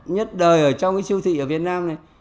nhất đời ở trong cái siêu thị ở việt nam này